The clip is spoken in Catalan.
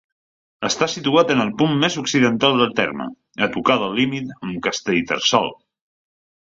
Està situat en el punt més occidental del terme, a tocar del límit amb Castellterçol.